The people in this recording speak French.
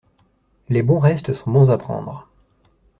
Les bons restes sont bons à prendre.